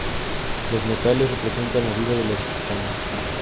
Los metales representan la vida de los gitanos.